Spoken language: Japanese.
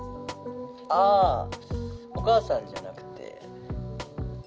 「あぁお母さんじゃなくて」